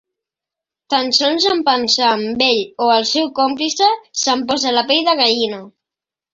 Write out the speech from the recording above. Tan sols en pensar en ell o el seu còmplice se'm posa la pell de gallina.